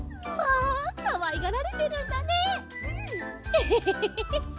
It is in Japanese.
エヘヘヘヘ。